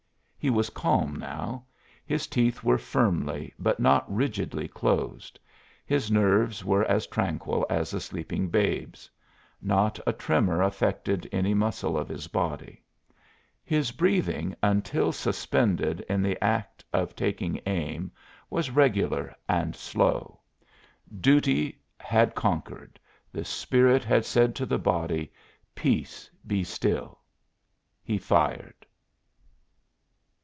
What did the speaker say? He was calm now. His teeth were firmly but not rigidly closed; his nerves were as tranquil as a sleeping babe's not a tremor affected any muscle of his body; his breathing, until suspended in the act of taking aim, was regular and slow. Duty had conquered; the spirit had said to the body: "Peace, be still." He fired.